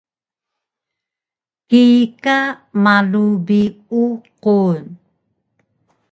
kika malu bi uqun